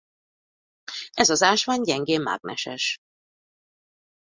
Ez az ásvány gyengén mágneses.